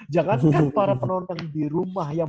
jangankan para penondang di rumah yang